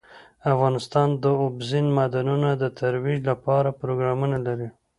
افغانستان د اوبزین معدنونه د ترویج لپاره پروګرامونه لري.